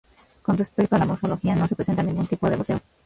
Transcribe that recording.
Con respecto a la morfología, no se presenta ningún tipo de voseo.